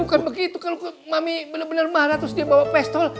bukan begitu kalau mami benar benar marah terus dia bawa pistol